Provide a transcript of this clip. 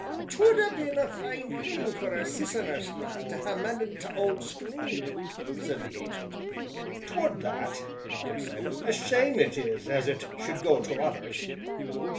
"'Twould ha' been a fine thing for a Siss'n'urst man to ha' mended t' owd screen!" said the Ancient. "'Twould that!" nodded Simon, "a shame it is as it should go to others."